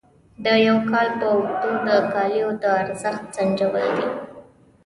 د یو کال په اوږدو د کالیو د ارزښت سنجول دي.